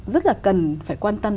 rất là cần phải quan tâm